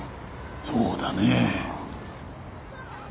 そうだねえ。